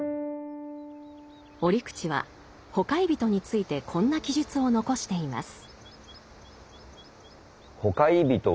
折口は「ほかひゞと」についてこんな記述を残しています。